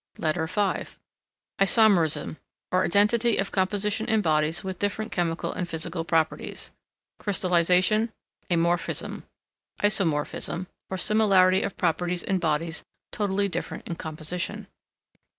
LETTER V ISOMERISM, or identity of composition in bodies with different chemical and physical properties. CRYSTALLISATION. AMORPHISM. ISOMORPHISM, or similarity of properties in bodies totally different in composition.